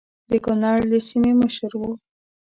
د کنړ د سیمې مشر وو.